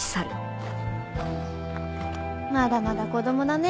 まだまだ子供だね